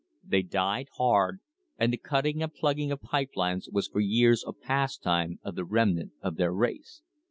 They died hard, and the cutting and plug ging of pipe lines was for years a pastime of the remnant of their race.